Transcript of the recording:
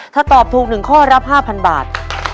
ถ้าตอบถูก๑ข้อรับ๕๐๐บาท